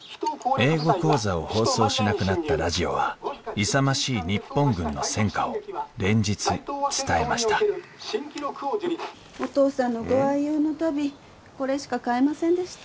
英語講座を放送しなくなったラジオは勇ましい日本軍の戦果を連日伝えましたお義父さんのご愛用の足袋これしか買えませんでした。